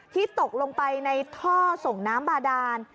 ตกลงไปในท่อส่งน้ำบาดาน